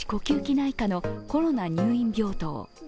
内科のコロナ入院病棟。